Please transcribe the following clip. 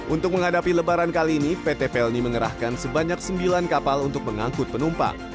untuk menghadapi lebaran kali ini pt pelni mengerahkan sebanyak sembilan kapal untuk mengangkut penumpang